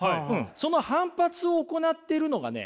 その反発を行ってるのがね